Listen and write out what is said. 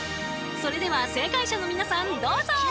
それでは正解者の皆さんどうぞ！